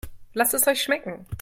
Lasst es euch schmecken!